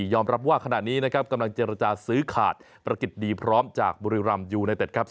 ยอมรับว่าขณะนี้นะครับกำลังเจรจาซื้อขาดประกิจดีพร้อมจากบุรีรำยูไนเต็ดครับ